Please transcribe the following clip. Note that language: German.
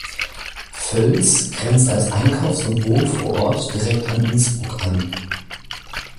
Völs grenzt als Einkaufs- und Wohnvorort direkt an Innsbruck an.